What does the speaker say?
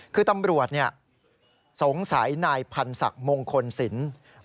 คือตำรวจสงสัยนายพันธ์ศักดิ์มงคลศิลป์